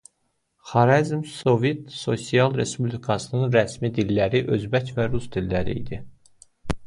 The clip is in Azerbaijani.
Xarəzm Sovet Sosialist Respublikasının rəsmi dilləri özbək və rus dilləri idi.